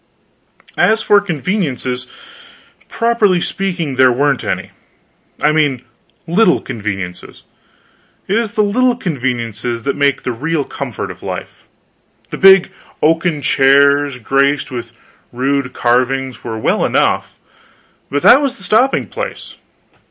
As for conveniences, properly speaking, there weren't any. I mean little conveniences; it is the little conveniences that make the real comfort of life. The big oaken chairs, graced with rude carvings, were well enough, but that was the stopping place.